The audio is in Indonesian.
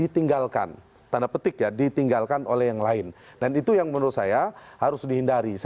tetaplah bersama kami